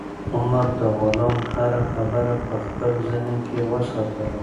عمر د غلام هره خبره په خپل ذهن کې وساتله.